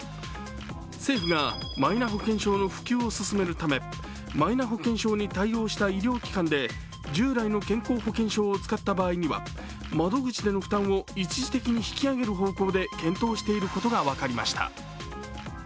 政府がマイナ保険証の普及を進めるためマイナ保険証に対応した医療機関で従来の健康保険証を使った場合には窓口での負担を一時的に引き上げる方向で検討していることが分かりました。